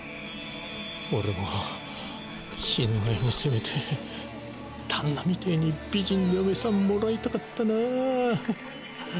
俺も死ぬ前にせめて旦那みてえに美人の嫁さんもらいたかったな。